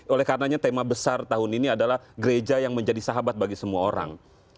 oleh karenanya tema besar tahun ini adalah gereja yang menjadi sahabat bagi semua orang